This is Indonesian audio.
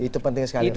itu penting sekali